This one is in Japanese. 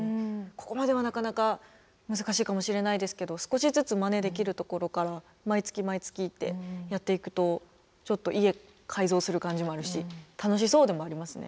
ここまではなかなか難しいかもしれないですけど少しずつまねできるところから毎月毎月ってやっていくとちょっと家改造する感じもあるし楽しそうでもありますね。